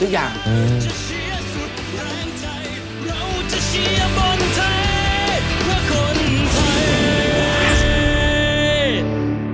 เพื่อคนไทย